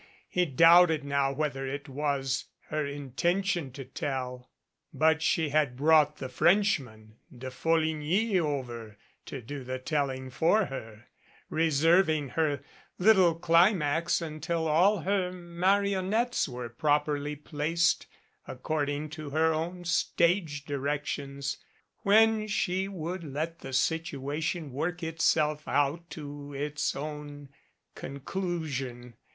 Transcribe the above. He doubted now whether it was her intention to tell. But she had brought the Frenchman De Folligny over to do the telling for her, reserving her little climax until all her marionettes were properly placed according to her own stage directions, when she would let the situation work itself out to its own conclusion.